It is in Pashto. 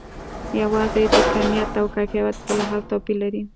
یوازې د کمیت او کیفیت په لحاظ توپیر لري.